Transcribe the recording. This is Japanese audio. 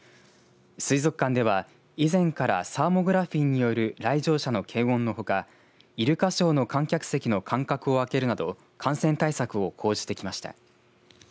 水族館では以前からサーモグラフィーによる来場者の検温のほかイルカショーの観客席の間隔を空けるなど感染対策を講じてきました。